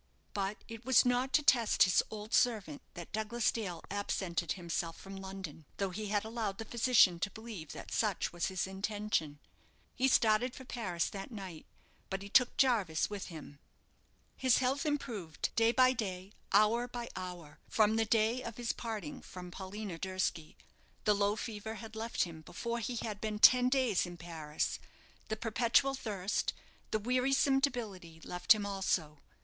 But it was not to test his old servant that Douglas Dale absented himself from London, though he had allowed the physician to believe that such was his intention. He started for Paris that night; but he took Jarvis with him. His health improved day by day, hour by hour, from the day of his parting from Paulina Durski. The low fever had left him before he had been ten days in Paris; the perpetual thirst, the wearisome debility, left him also.